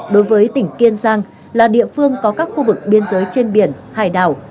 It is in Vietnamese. đối với tỉnh kiên giang là địa phương có các khu vực biên giới trên biển hải đảo